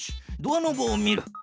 ドアノブを見る。